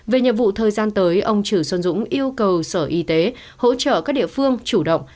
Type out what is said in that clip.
về nhiệm vụ thời gian tới ông trừ xuân dũng yêu cầu sở y tế hỗ trợ các địa phương chủ động